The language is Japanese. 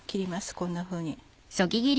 こんなふうに。